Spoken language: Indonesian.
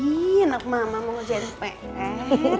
ii anak mama mau kerjaan pr